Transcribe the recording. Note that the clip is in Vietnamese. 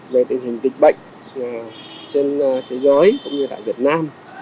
về tình hình dịch bệnh trên thế giới cũng như tại việt nam